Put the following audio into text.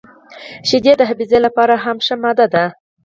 • شیدې د حافظې لپاره هم ښه ماده ده.